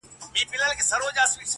• خالق دي مل سه ګرانه هیواده -